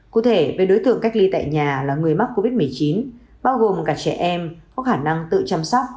cụ thể về đối tượng cách ly tại nhà là người mắc covid một mươi chín bao gồm cả trẻ em có khả năng tự chăm sóc